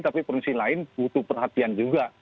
tapi polisi lain butuh perhatian juga